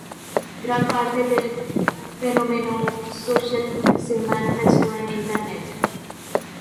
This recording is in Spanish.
Gran parte del fenómeno social se manifestó en Internet.